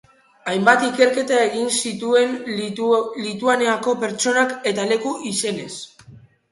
Hainbat ikerketa egin zituen Lituaniako pertsona- eta leku-izenez.